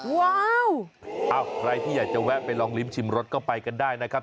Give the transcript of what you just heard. ว้าวใครที่อยากจะแวะไปลองลิ้มชิมรสก็ไปกันได้นะครับ